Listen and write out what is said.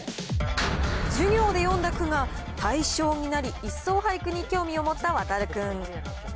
授業で詠んだ句が大賞になり、一層俳句に興味を持った航君。